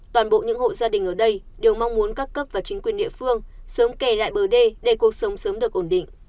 toàn bộ những hộ gia đình ở đây đều mong muốn các cấp và chính quyền địa phương sớm kè lại bờ đê để cuộc sống sớm được ổn định